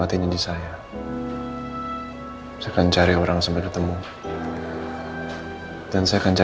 ini hanya satu biasanya